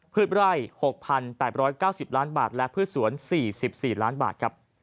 ไร่๖๘๙๐ล้านบาทและพืชสวน๔๔ล้านบาทครับ